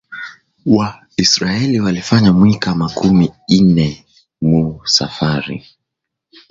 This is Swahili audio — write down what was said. Wa isiraeli walifanya mwika makumi ine mu safari